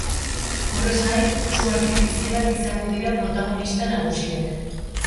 Horrez gain, su artifizialak izango dira protagonista nagusiak.